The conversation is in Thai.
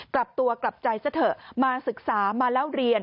กลับตัวกลับใจซะเถอะมาศึกษามาเล่าเรียน